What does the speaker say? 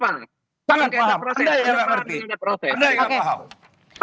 anda yang gak paham